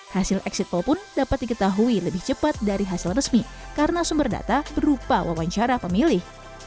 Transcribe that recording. hasil exit poll pun dapat diketahui lebih cepat dari hasil resmi karena sumber data berupa wawancara pemilih